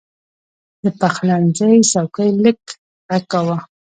د پخلنځي څوکۍ لږ غږ کاوه.